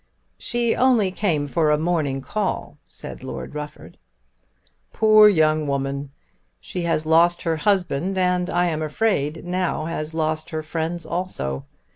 "She only came for a morning call," said Lord Rufford. "Poor young woman. She has lost her husband, and, I am afraid, now has lost her friends also.